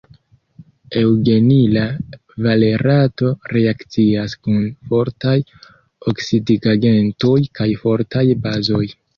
Eŭgenila valerato reakcias kun fortaj oksidigagentoj kaj fortaj bazoj.